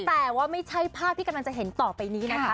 แต่ว่าไม่ใช่ภาพที่กำลังจะเห็นต่อไปนี้นะคะ